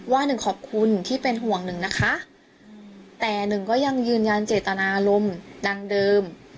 หนึ่งขอบคุณที่เป็นห่วงหนึ่งนะคะแต่หนึ่งก็ยังยืนยันเจตนารมณ์ดังเดิม